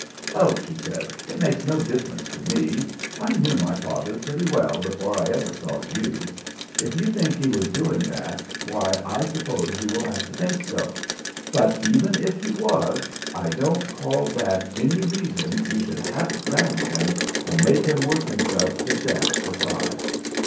"Oh," she said, "it makes no difference to me. I knew my father pretty well before I ever saw you. If you think he was doing that, why, I suppose you will have to think so. But even if he was, I don't call that any reason you should half drown him, and make him work himself to death beside."